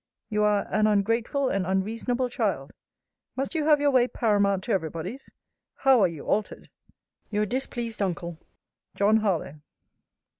You are an ungrateful and unreasonable child: Must you have your way paramount to every body's? How are you altered. Your displeased uncle, JOHN HARLOWE.